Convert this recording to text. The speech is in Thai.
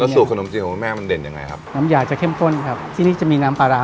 สูบขนมจานมแล้วดินยังไงครับอมไหยจะเค็มข้นตาซื่อนี่จะมีน้ำปาระ